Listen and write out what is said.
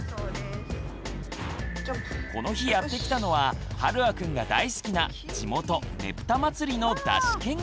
この日やって来たのははるあくんが大好きな地元ねぷたまつりの山車見学。